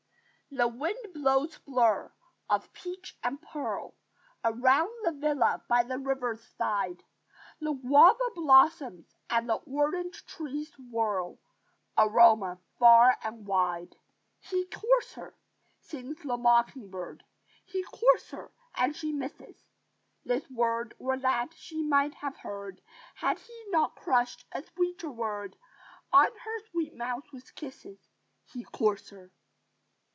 The wind blows blurs of peach and pearl Around the villa by the river's side; The guava blossoms and the orange trees whirl Aroma far and wide. "He courts her!" sings the mocking bird; "He courts her, and she misses This word, or that, she might have heard, Had he not crushed a sweeter word On her sweet mouth with kisses. He courts her."